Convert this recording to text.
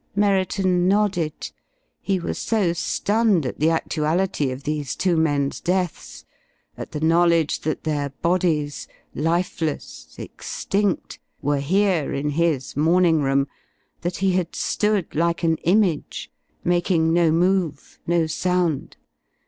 Merriton nodded. He was so stunned at the actuality of these two men's deaths, at the knowledge that their bodies lifeless, extinct were here in his morning room, that he had stood like an image, making no move, no sound.